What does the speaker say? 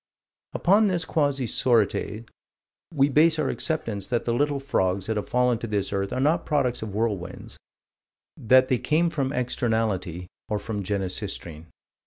Upon this quasi sorites, we base our acceptance that the little frogs that have fallen to this earth are not products of whirlwinds: that they came from externality, or from Genesistrine.